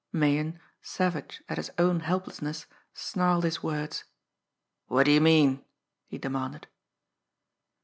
Meighan, savage at his own helplessness, snarled his words. "What do you mean?" he demanded.